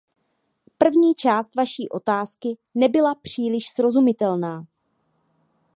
První část vaší otázky nebyla příliš srozumitelná.